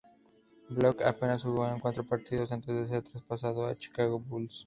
Block apenas jugó en cuatro partidos antes de ser traspasado a Chicago Bulls.